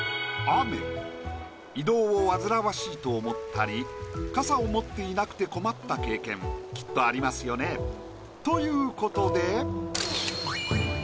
移動を煩わしいと思ったり傘を持っていなくて困った経験きっとありますよね。という事で。